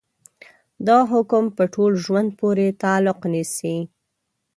دا حکم په ټول ژوند پورې تعلق نيسي.